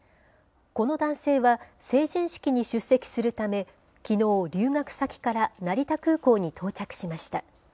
この男性は、成人式に出席するため、きのう、留学先から成田空港に到着しました。